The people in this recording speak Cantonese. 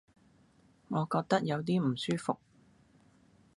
我覺得有啲唔舒服